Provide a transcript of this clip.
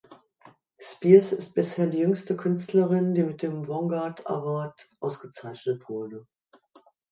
Spears ist bisher die jüngste Künstlerin, die mit dem Vanguard Award ausgezeichnet wurde.